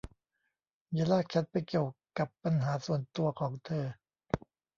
อย่าลากฉันไปเกี่ยวกับปัญหาส่วนตัวของเธอ